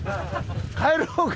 「帰ろうか」